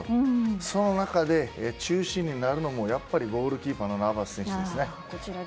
その中で、中心になるのもゴールキーパーのナヴァス選手です。